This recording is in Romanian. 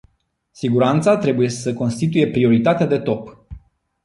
Siguranța trebuie să constituie prioritatea de top.